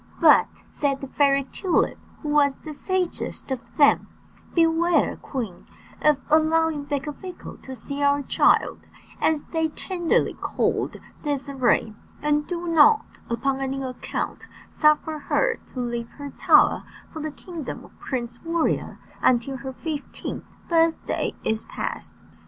"But," said the Fairy Tulip, who was the sagest of them, "beware, queen, of allowing Becafico to see our child," as they tenderly called Désirée, "and do not upon any account suffer her to leave her tower for the kingdom of Prince Warrior until her fifteenth birthday is past."